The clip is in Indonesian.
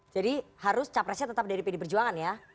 jadi harus capresnya tetap dari pd perjuangan ya